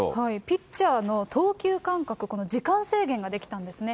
ピッチャーの投球間隔、この時間制限が出来たんですね。